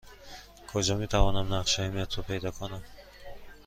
کجا می توانم نقشه مترو پیدا کنم؟